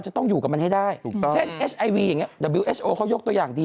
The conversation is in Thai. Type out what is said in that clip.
มันอยู่กับเราเนี่ยแหละพี่